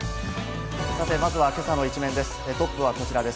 まずは今朝の一面です。